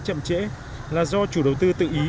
chậm trễ là do chủ đầu tư tự ý